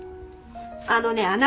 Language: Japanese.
あのねあなた。